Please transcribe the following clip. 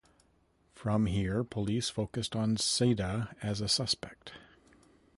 From here, police focused on Seda as a suspect.